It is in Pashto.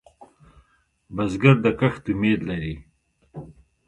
بزګر د کښت امید لري